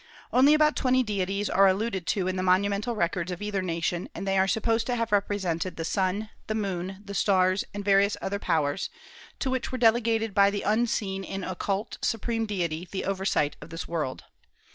Only about twenty deities are alluded to in the monumental records of either nation, and they are supposed to have represented the sun, the moon, the stars, and various other powers, to which were delegated by the unseen and occult supreme deity the oversight of this world.